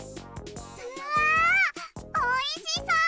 わあおいしそう！